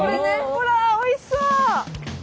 ほらおいしそう！